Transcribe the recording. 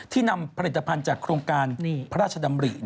นำผลิตภัณฑ์จากโครงการพระราชดำริ